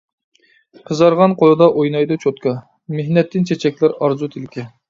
قىزارغان قولىدا ئوينايدۇ چوتكا، مېھنەتتىن چېچەكلەر ئارزۇ تىلىكى.